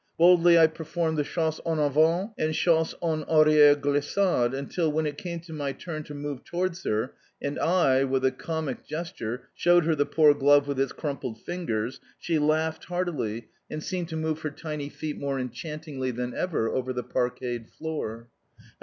Boldly I performed the chasse en avant and chasse en arriere glissade, until, when it came to my turn to move towards her and I, with a comic gesture, showed her the poor glove with its crumpled fingers, she laughed heartily, and seemed to move her tiny feet more enchantingly than ever over the parquetted floor.